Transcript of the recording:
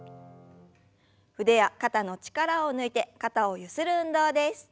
腕や肩の力を抜いて肩をゆする運動です。